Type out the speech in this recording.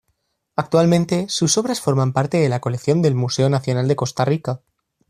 Actualmente, sus obras forman parte de la colección del Museo Nacional de Costa Rica.